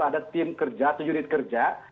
ada tim kerja atau unit kerja